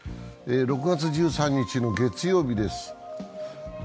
６月１３日の月曜日です。